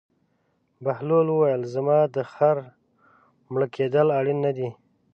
بهلول وویل: زما د خر مړه کېدل اړین نه دي.